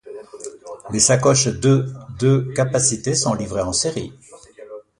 Les sacoches de de capacité sont livrées en série.